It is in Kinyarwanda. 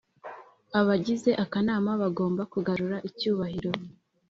Abagize akanama bagomba kugarura icyubahiro